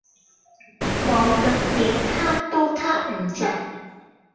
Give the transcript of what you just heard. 無論點撻都撻唔着